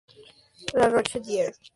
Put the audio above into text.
La Roche-Derrien